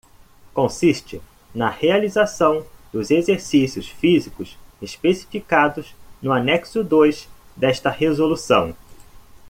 Consiste na realização dos exercícios físicos especificados no anexo dois desta Resolução.